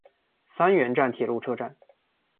三原站铁路车站。